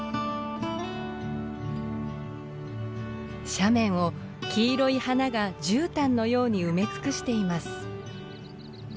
斜面を黄色い花がじゅうたんのように埋め尽くしています。